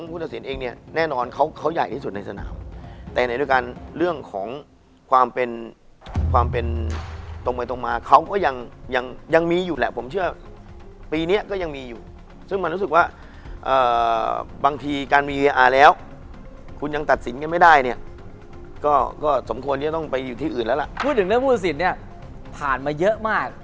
พูดถึงเรื่องภูติสินเนี่ยผ่านมาเยอะมาก